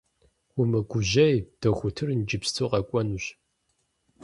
Умыгужьэй, дохутыр иджыпсту къэкӏуэнущ.